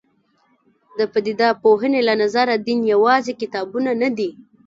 د پدیده پوهنې له نظره دین یوازې کتابونه نه دي.